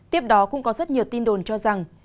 tiếp đó cũng có rất nhiều tin đồn cho rằng